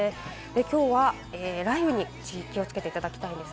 きょうは雷雨に気をつけていただきたいです。